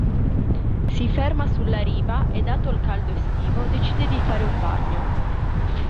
Si ferma sulla riva e, dato il caldo estivo, decide di fare un bagno.